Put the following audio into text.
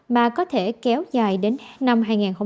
mà có thể kéo dài đến năm hai nghìn hai mươi